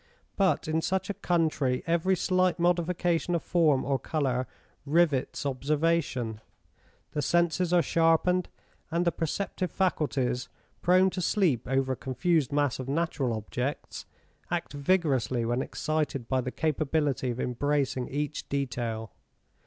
But in such a country every slight modification of form or colour rivets observation: the senses are sharpened, and the perceptive faculties, prone to sleep over a confused mass of natural objects, act vigorously when excited by the capability of embracing each detail.